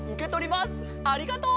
ありがとう！